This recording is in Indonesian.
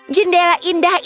jendela indah ini